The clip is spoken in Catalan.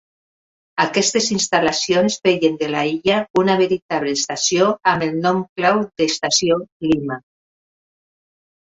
Aquestes instal·lacions feien de la illa una veritable estació amb el nom clau d'Estació Lima.